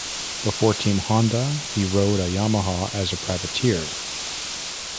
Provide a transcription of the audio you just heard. Before team Honda, he rode a Yamaha as a privateer.